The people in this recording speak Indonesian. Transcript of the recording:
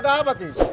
ada apa tis